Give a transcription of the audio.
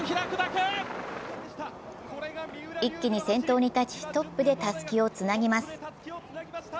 一気に先頭に立ち、トップでたすきをつなぎます。